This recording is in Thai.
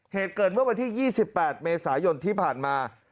เหตุเกิดเมื่อวันที่๒๘เมษายนที่ผ่านมา